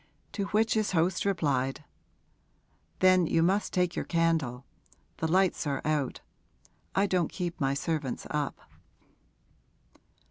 To which his host replied, 'Then you must take your candle; the lights are out; I don't keep my servants up.'